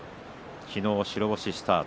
昨日白星スタート